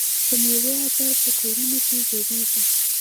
د میوو اچار په کورونو کې جوړیږي.